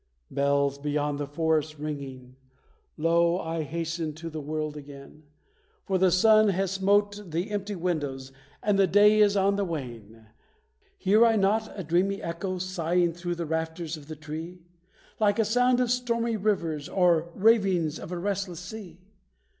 Bells, beyond the forest ringing, lo, I hasten to the world again; For the sun has smote the empty windows, and the day is on the wane! Hear I not a dreamy echo, soughing through the rafters of the tree; Like a sound of stormy rivers, or the ravings of a restless sea?